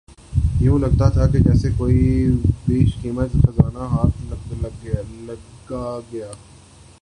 یوں لگتا تھا کہ جیسے کوئی بیش قیمت خزانہ ہاتھ لگا گیا